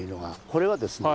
これはですね。